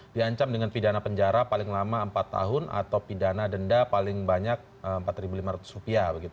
diancam dengan pidana penjara paling lama empat tahun atau pidana denda paling banyak rp empat lima ratus